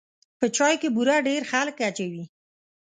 په چای کې بوره ډېر خلک اچوي.